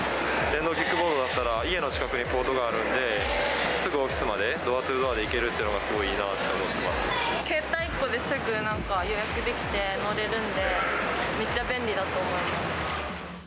電動キックボードだったら、家の近くにポートがあるんで、すぐオフィスまでドアトゥードアで行けるのがすごいいいなって思ケータイ１個ですぐ予約できて、乗れるんで、めっちゃ便利だと思います。